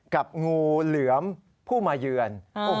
กับงูเหลือมผู้มาเยือน